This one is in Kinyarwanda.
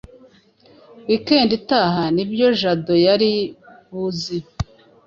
weekend itaha nibwo Jado yari buze